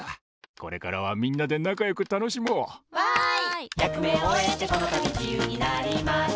これからはみんなでなかよくたのしもう！わい！